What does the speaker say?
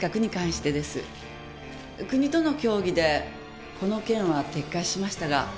国との協議でこの件は撤回しましたが。